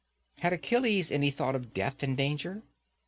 Had Achilles any thought of death and danger?